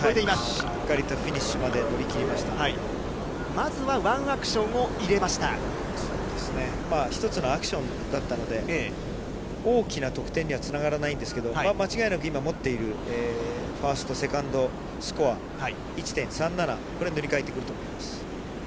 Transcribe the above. しっかりとフィニッシュまでまずはワンアクションを入れ１つのアクションだったので、大きな得点にはつながらないんですけど、間違いなく今、持っているファースト、セカンドスコア、１．３７、これ、塗り替えてくると思います。